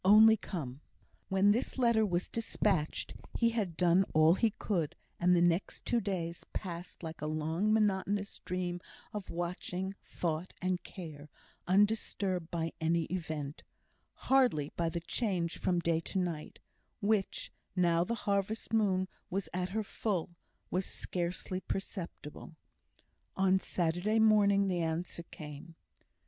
Only come. When this letter was despatched he had done all he could; and the next two days passed like a long monotonous dream of watching, thought, and care, undisturbed by any event, hardly by the change from day to night, which, now the harvest moon was at her full, was scarcely perceptible. On Saturday morning the answer came.